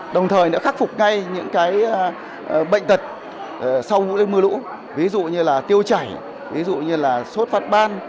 đồng thời khắc phục ngay những bệnh tật sau những mưa lũ ví dụ như tiêu chảy sốt phát ban